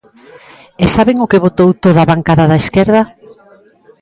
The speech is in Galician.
¿E saben o que votou toda a bancada da esquerda?